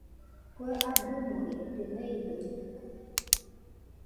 Kue abɨmo ite meidoitɨkue.